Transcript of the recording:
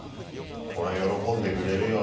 これは喜んでくれるよ